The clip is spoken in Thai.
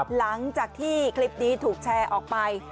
หลังจากที่คลิปนี้ถูกแชร์ออกไป